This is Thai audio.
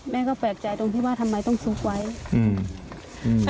แม่ก็แปลกใจตรงที่ว่าทำไมต้องซุกไว้อืม